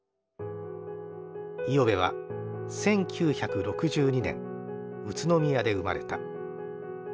五百部は１９６２年宇都宮で生まれた。